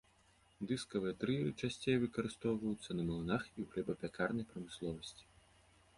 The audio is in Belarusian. Дыскавыя трыеры часцей выкарыстоўваюцца на млынах і ў хлебапякарнай прамысловасці.